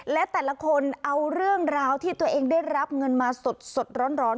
และแต่ละคนเอาเรื่องราวที่ตัวเองได้รับเงินมาสดร้อน